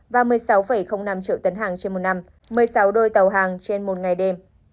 và một mươi sáu năm triệu tấn hàng trên một năm một mươi sáu đôi tàu hàng trên một ngày đêm